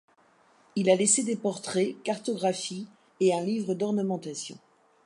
Il a laissé des portraits, cartographies et un livre d'ornementations.